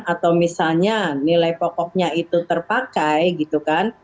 atau misalnya nilai pokoknya itu terpakai gitu kan